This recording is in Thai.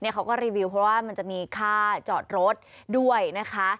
เขาก็รีวิวเพราะว่ามันจะมีค่าจอดรถด้วยนะคะ